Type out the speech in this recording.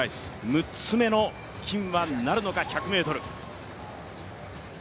６つ目の金はなるのか、１００ｍ。